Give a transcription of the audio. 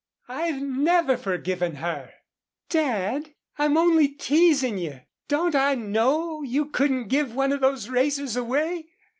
I've never forgiven her .... Dad, I'm only teasing you. Don't I know you couldn't give one of those racers away?